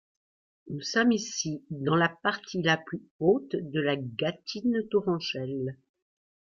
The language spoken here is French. Nous sommes ici dans la partie la plus haute de la Gâtine Tourangelle.